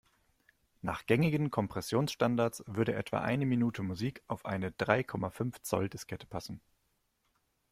Nach gängigen Kompressionsstandards würde etwa eine Minute Musik auf eine drei Komma fünf Zoll-Diskette passen.